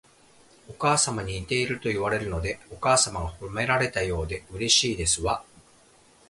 お母様に似ているといわれるので、お母様が褒められたようでうれしいですわ